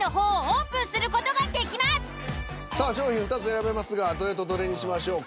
さあ商品２つ選べますがどれとどれにしましょうか？